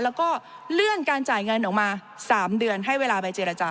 แล้วก็เลื่อนการจ่ายเงินออกมา๓เดือนให้เวลาไปเจรจา